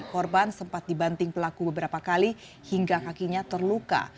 korban sempat dibanting pelaku beberapa kali hingga kakinya terluka